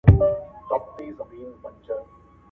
مجلسونه او داسي نور ذهن ته راځي